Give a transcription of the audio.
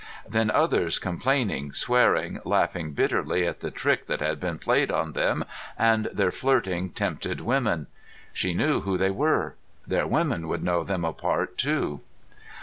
Then others complaining, swearing, laughing bitterly at the trick that had been played on them and their flirting, tempted women. She knew who they were. Their women would know them apart, too.